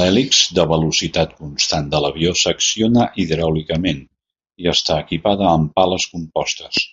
L'hèlix de velocitat constant de l'avió s'acciona hidràulicament i està equipada amb pales compostes.